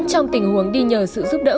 con xin ông ạ